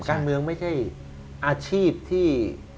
การเมืองไม่ใช่อาชีพที่